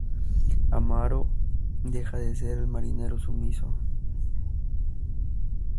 Amaro deja de ser el marinero sumiso.